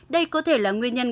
đây có thể là nguyên nhân